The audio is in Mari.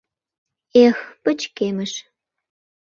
Эх, пычкемыш.